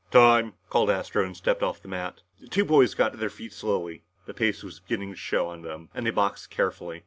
"Time!" called Astro and stepped off the mat. The two boys got to their feet slowly. The pace was beginning to show on them and they boxed carefully.